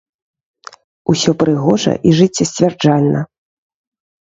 Усё прыгожа і жыццесцвярджальна.